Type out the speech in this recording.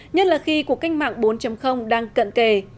nhất là khi cuộc cách mạng bốn đang cận kề